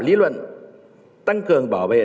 lý luận tăng cường bảo vệ